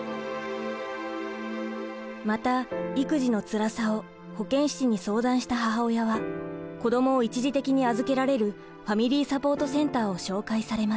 また育児のつらさを保健師に相談した母親は子どもを一時的に預けられるファミリーサポートセンターを紹介されます。